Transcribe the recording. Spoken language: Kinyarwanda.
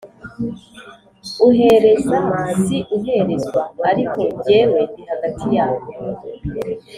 uhereza si uherezwa ariko jyewe ndi hagati yabo